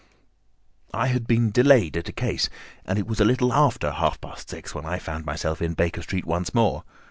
I had been delayed at a case, and it was a little after half past six when I found myself in Baker Street once more.